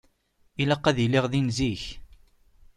Ilaq ad iliɣ din zik.